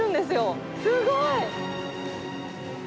すごい。